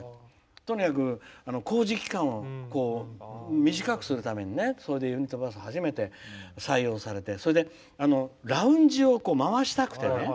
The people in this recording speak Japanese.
とにかく、工事期間を短くするためにそれで、ユニットバスを初めて採用されてそれでラウンジを回したくてね。